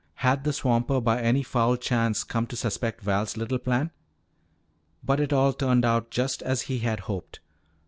Had the swamper by any foul chance come to suspect Val's little plan? But it all turned out just as he had hoped.